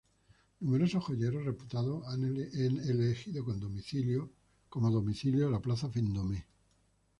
Numerosos joyeros reputados han elegido como domicilio la plaza Vendôme.